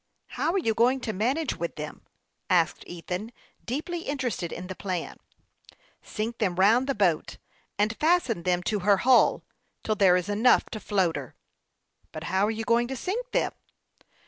" How are you going to manage with them ?" asked Ethan, deeply interested in the plan. THE YOUNG PILOT OF LAKE CHAMPLAIN. 103 " Sink them round the boat, and fasten them to her hull, till there is enough to float her." " But how are you going to sink them